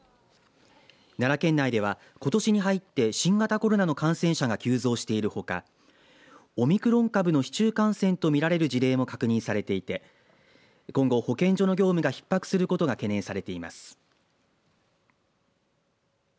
奈良県内では、ことしに入って新型コロナの感染者が急増しているほかオミクロン株の市中感染とみられる事例も確認されていて今後、保健所の業務がひっ迫することが懸念されています。